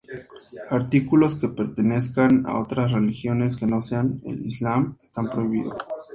Artículos que pertenezcan a otras religiones que no sean el islam están prohibidos.